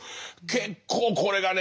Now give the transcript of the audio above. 結構これがね